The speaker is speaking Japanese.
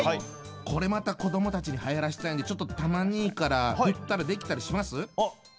これまた子どもたちにはやらしたいんでちょっとたま兄から振ったらできたりします？